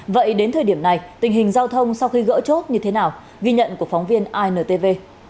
vậy đến thời điểm này tình hình giao thông sau khi gỡ chốt như thế nào ghi nhận của phóng viên intv